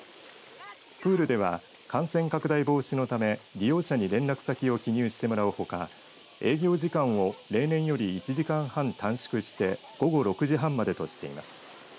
プールでは感染拡大防止のため利用者に連絡先を記入してもらうほか営業時間を例年より１時間半短縮して午後６時半までとしています。